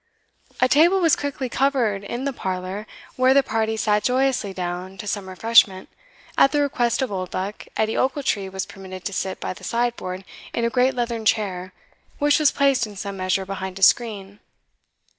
A table was quickly covered in the parlour, where the party sat joyously down to some refreshment. At the request of Oldbuck, Edie Ochiltree was permitted to sit by the sideboard in a great leathern chair, which was placed in some measure behind a screen.